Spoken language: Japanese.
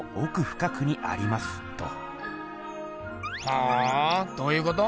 ほおどういうこと？